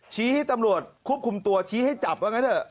ให้ตำรวจควบคุมตัวชี้ให้จับว่างั้นเถอะ